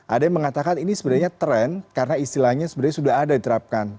ada yang mengatakan ini sebenarnya tren karena istilahnya sebenarnya sudah ada diterapkan